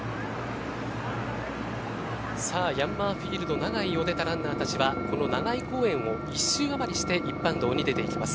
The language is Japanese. ヤンマーフィールド長居を出たランナーたちはこの長居公園を１周余りして一般道に出ていきます。